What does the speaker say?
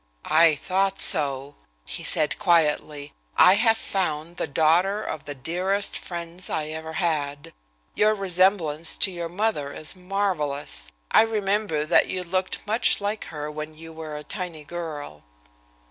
"I thought so," he said quietly. "I have found the daughter of the dearest friends I ever had. Your resemblance to your mother is marvelous. I remember that you looked much like her when you were a tiny girl."